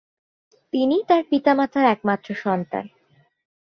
তিনি তার পিতা-মাতার একমাত্র সন্তান।